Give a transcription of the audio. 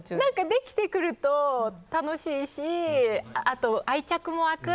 できてくると楽しいしあと、愛着も湧く。